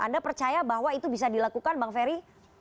anda percaya bahwa itu bisa dilakukan bang ferry